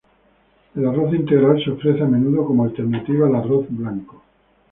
El arroz integral se ofrece a menudo como alternativa al arroz blanco.